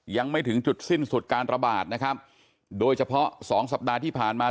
ยังไม่ถึงจุดสิ้นสุดการระบาดนะครับโดยเฉพาะสองสัปดาห์ที่ผ่านมา